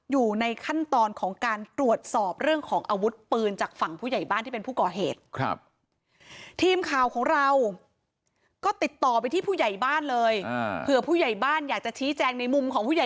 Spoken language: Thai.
อยู่ในขั้นตอนของการตรวจสอบเรื่องของอาวุธปืนจากฝั่งผู้ใหญ่บ้านที่เป็นผู้ก่อเหตุ